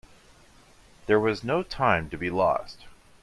There was no time to be lost.